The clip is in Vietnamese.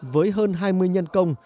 với hơn hai mươi nhân công